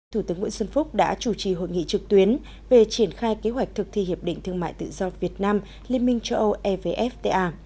thủ tướng nguyễn xuân phúc đã chủ trì hội nghị trực tuyến về triển khai kế hoạch thực thi hiệp định thương mại tự do việt nam liên minh châu âu evfta